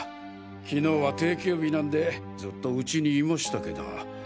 昨日は定休日なんでずっとうちにいましたけど。